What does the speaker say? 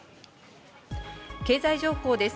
経済情報です。